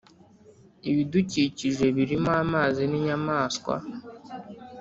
ibidukikije birimo amazi n’inyamaswa